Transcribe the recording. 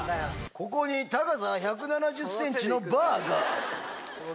ここに高さ１７０センチのバーがある。